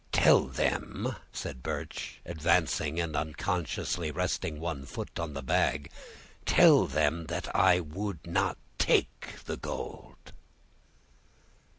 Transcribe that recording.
"Tell them," said Birch, advancing and unconsciously resting one foot on the bag, "tell them that I would not take the gold!"